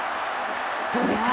どうですか？